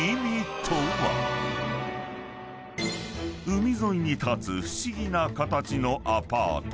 ［海沿いに立つ不思議な形のアパート］